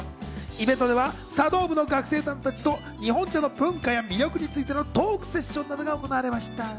イベントでは茶道部の学生さんたちと日本茶の文化や魅力についてのトークセッションなどが行われました。